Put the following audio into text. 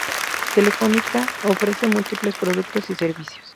Telefónica ofrece múltiples productos y servicios.